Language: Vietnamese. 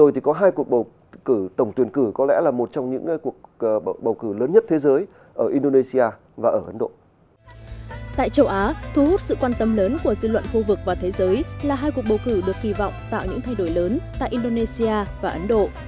tại châu á thu hút sự quan tâm lớn của dư luận khu vực và thế giới là hai cuộc bầu cử được kỳ vọng tạo những thay đổi lớn tại indonesia và ấn độ